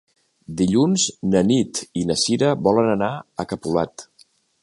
Dilluns na Nit i na Sira volen anar a Capolat.